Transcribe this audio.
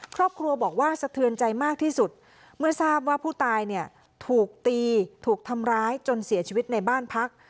ครอบครัวบอกว่าสะเทือนใจมากที่สุดเมื่อทราบว่าผู้ตายเนี่ยถูกตีถูกทำร้ายจนเสียชีวิตในบ้านพัก